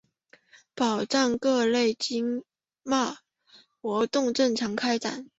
保障各类经贸活动正常开展